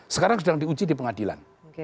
sekarang sedang diuji di pengadilan